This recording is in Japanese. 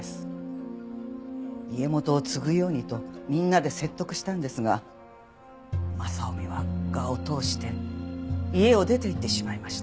家元を継ぐようにとみんなで説得したんですが雅臣は我を通して家を出ていってしまいました。